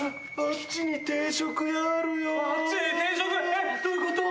えっどういうこと？